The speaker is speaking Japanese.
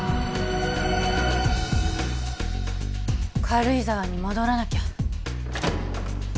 軽井沢に戻らなきゃ。